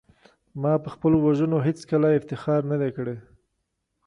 ما په خپلو وژنو هېڅکله افتخار نه دی کړی